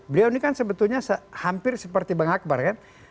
beliau ini kan sebetulnya hampir seperti bang akbar kan